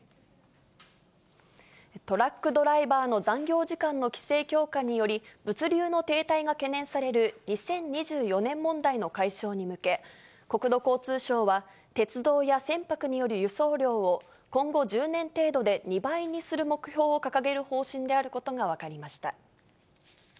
トラックドライバーの残業時間の規制強化により、物流の停滞が懸念される２０２４年問題の解消に向け、国土交通省は、鉄道や船舶による輸送量を、今後１０年程度で２倍にする目標を掲げる方針であることが分かりました。